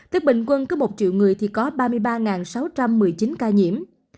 tức bình quân có một triệu người thì có ba mươi ba sáu trăm một mươi chín ca nhiễm